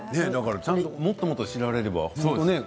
もっともっと知られれば。